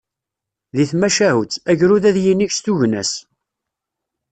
Deg tmacahut, agrud ad yinig s tugna-s.